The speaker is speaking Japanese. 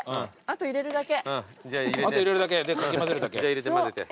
あと入れるだけかき混ぜるだけ。